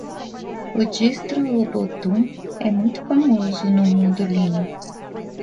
A distro Ubuntu é muito famosa no mundo Linux.